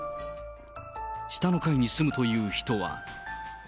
下の階に住むという人は。